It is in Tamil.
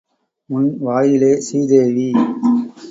உன் வாயிலே சீதேவி.